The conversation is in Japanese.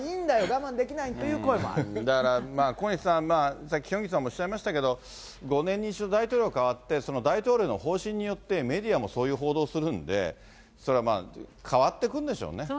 やっぱり、日本のアニメはいいんだよ、我慢できなだから、小西さん、さっきヒョンギさんもおっしゃいましたけど、５年に１度大統領代わって、大統領の方針によって、メディアもそういう報道するんで、それはそうですよね。